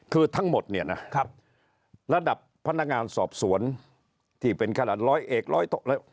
คือทั้งหมดเนี่ยนะครับระดับพนักงานสอบสวนที่เป็นขนาดร้อยเอกร้อยโต๊ะ